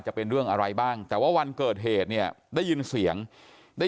เป็นเรื่องอะไรบ้างแต่ว่าวันเกิดเหตุเนี่ยได้ยินเสียงได้